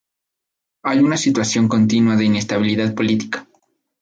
Hay una situación continua de inestabilidad política.